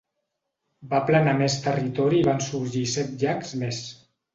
Va aplanar més territori i van sorgir set llacs més.